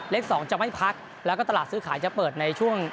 เลข๒จะไม่พักแล้วก็ตลาดซื้อขายจะเปิดในช่วง